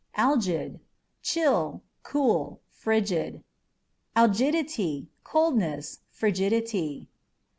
Algid â€" chill, cool, frigid. Algidityâ€" coldness, frigidity.